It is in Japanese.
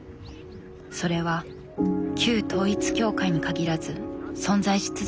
それは旧統一教会に限らず存在し続けていた。